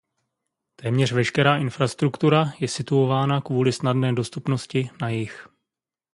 Téměř veškerá infrastruktura je situována kvůli snadné dostupnosti na jih.